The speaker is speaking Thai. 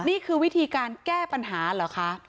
นี่คือวิธีการแก้ปัญหาเหรอคะ